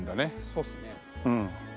そうですね。